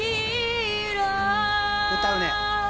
歌うね。